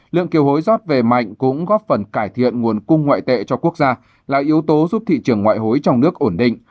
lượng kiều hối rót về mạnh cũng góp phần cải thiện nguồn cung ngoại tệ cho quốc gia là yếu tố giúp thị trường ngoại hối trong nước ổn định